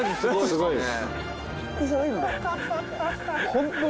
すごいね。